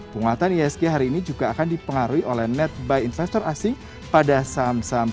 penguatan isg hari ini juga akan dipengaruhi oleh netbuy investor asing pada saham saham